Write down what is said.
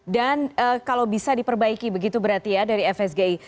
dan kalau bisa diperbaiki begitu berarti ya dari fsgi